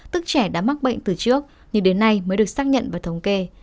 tức trẻ đã mắc bệnh từ trước nhưng đến nay mới được xác nhận và thống kê